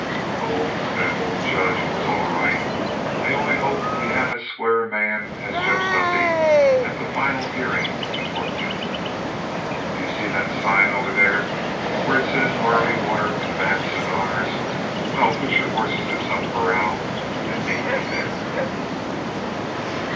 Oh, that old judge was all right. I only hope we'll have as square a man as Judge Dundy at the final hearing at Fort Buford. Do you see that sign over there, where it says Barley Water and Bad Cigars? Well, put your horses in some corral and meet me there."